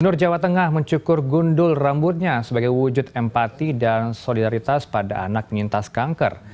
gubernur jawa tengah mencukur gundul rambutnya sebagai wujud empati dan solidaritas pada anak penyintas kanker